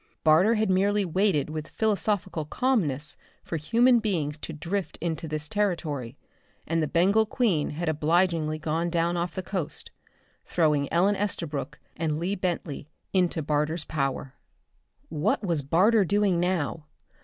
Barter had merely waited with philosophic calmness for human beings to drift into this territory and the Bengal Queen had obligingly gone down off the coast, throwing Ellen Estabrook and Lee Bentley into Barter's power. What was Barter doing now?